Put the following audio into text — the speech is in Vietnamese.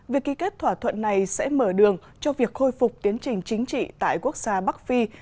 việc ký kết thỏa thuận này sẽ mở đường cho việc khôi phục tiến trình chính trị tại quốc gia bắc phi